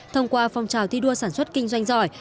thông qua phong trào thi đua sản xuất kinh doanh giỏi